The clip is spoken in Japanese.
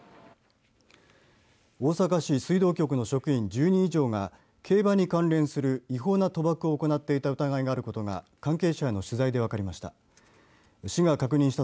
大阪市水道局の職員１０人以上が競馬に関連する違法な賭博を行っていた疑いがあることが関係者への取材で分かりました。